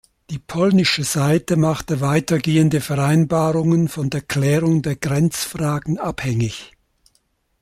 Die polnische Seite machte weitergehende Vereinbarungen von der Klärung der Grenzfragen abhängig.